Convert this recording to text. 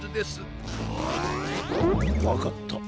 わかった。